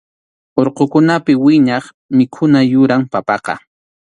Urqukunapi wiñaq mikhuna yuram papaqa.